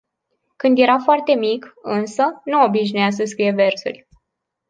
Când era foarte mic, însă, nu obișnuia să scrie versuri.